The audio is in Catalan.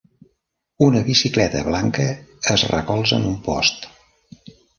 Una bicicleta blanca es recolza en un post.